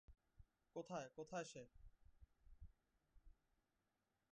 কোথায়-- কোথায় সে?